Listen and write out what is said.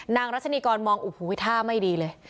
นางรัชนิกรมองอุ้ยท่าไม่ดีเลย